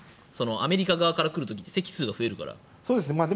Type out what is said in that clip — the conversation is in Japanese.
アメリカ側から来る時席数が増えるので。